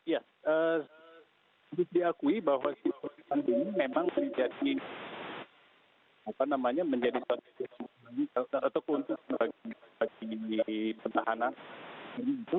ya diakui bahwa situasi ini memang menjadi apa namanya menjadi suatu kesimpulan untuk bagi petahana